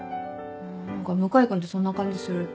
あ向井君ってそんな感じする。